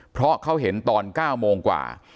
เพราะเขาเห็นตอน๙โมงกว่า